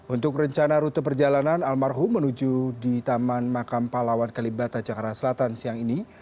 untuk rencana rute perjalanan almarhum menuju di taman makam palawan kalibata jakarta selatan siang ini